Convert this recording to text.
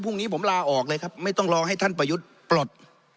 พรุ่งนี้ผมลาออกเลยครับไม่ต้องรอให้ท่านประยุทธ์ปลด